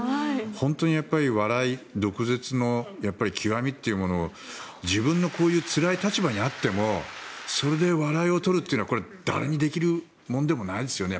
本当に笑い、毒舌の極みっていうものを自分のこういうつらい立場にあってもそれで笑いを取るというのは誰にでもできることではないですよね。